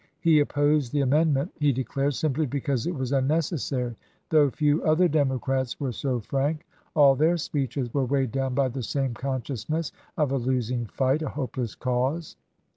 He opposed the amendment, he declared, simply because it was unnecessary. THE THIRTEENTH AMENDMENT 83 Though few other Democrats were so frank, all chap.iv. their speeches were weighed down by the same consciousness of a losing fight, a hopeless cause.